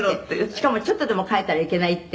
「しかもちょっとでも変えたらいけないって」